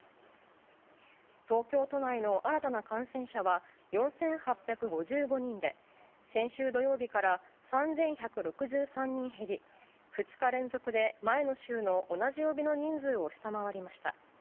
東京都内の新たな感染者は、４８５５人で、先週土曜日から３１６３人減り、２日連続で前の週の同じ曜日の人数を下回りました。